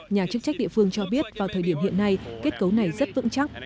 nhà chức trách địa phương cho biết vào thời điểm hiện nay kết cấu này rất vững chắc